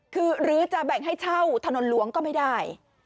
คือหรือจะแบ่งให้เช่าถนนหลวงก็ไม่ได้